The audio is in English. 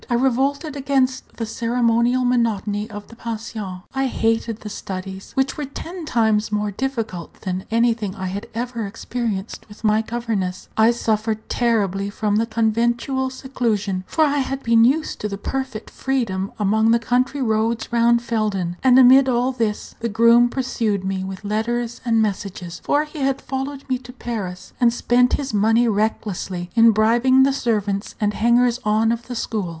I revolted against the ceremonial monotony of the pension; I hated the studies, which were ten times more difficult than anything I had ever experienced with my governess; I suffered terribly from the conventual seclusion, for I had been used to perfect freedom among the country roads round Felden; and, amid all this, the groom pursued me with letters and messages, for he had followed me to Paris, and spent his money recklessly in bribing the servants and hangers on of the school.